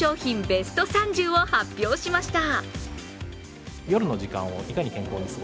ベスト３０を発表しました。